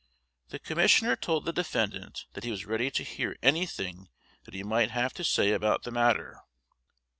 The Commissioner told the defendant that he was ready to hear anything that he might have to say about the matter.